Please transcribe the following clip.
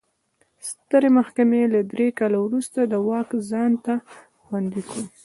سترې محکمې له درې کال وروسته دا واک ځان ته خوندي کړ.